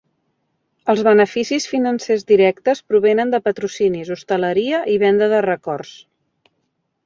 Els beneficis financers directes provenen de patrocinis, hosteleria i venda de records.